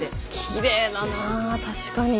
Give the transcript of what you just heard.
きれいだなあ確かに。